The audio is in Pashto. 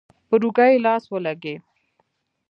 پر اوږه يې لاس ولګېد.